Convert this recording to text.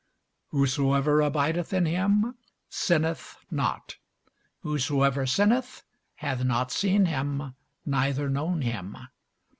Whosoever abideth in him sinneth not: whosoever sinneth hath not seen him, neither known him.